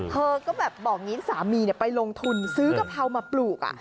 เธอก็แบบบอกอย่างนี้สามีไปลงทุนซื้อกะเพรามาปลูก